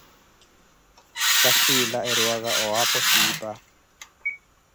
Ka siila eriwaka owaapho siipa.